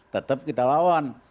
tetap kita lawan